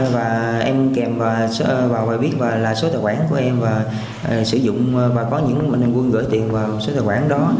và em kèm vào bài viết là số tài khoản của em và có những bệnh nhân quân gửi tiền vào số tài khoản đó